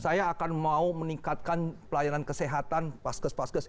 saya akan mau meningkatkan pelayanan kesehatan paskes paskes